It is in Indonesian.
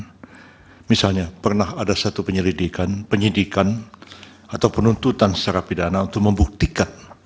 dan misalnya pernah ada satu penyelidikan penyidikan atau penuntutan secara pidana untuk membuktikan